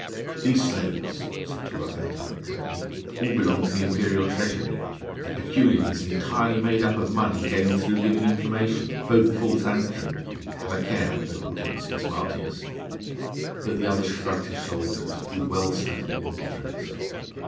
"These slaves," said Taurus Antinor curtly, "all belong to the imperial treasury; their peculium is entirely made up of money gained through giving information both false and true. Have a care, O Hortensius Martius!" But the other shrugged his shoulders with well studied indifference.